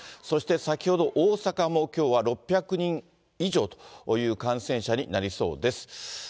そして先ほど大阪もきょうは６００人以上という感染者になりそうです。